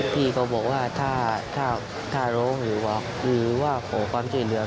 พี่ก็บอกว่าถ้าร้องหรือว่าขอความช่วยเหลือ